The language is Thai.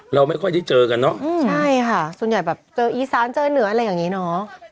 เราไม่ค่อยได้เจอกันเนอะใช่ค่ะส่วนใหญ่แบบเจออีสานเจอเหนืออะไรอย่างนี้เนอะ